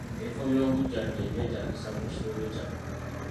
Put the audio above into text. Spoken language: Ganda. Ebifo by'obujjanjabi byetaagisa mu kitundu kyaffe.